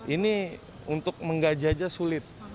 ini untuk menggaji aja sulit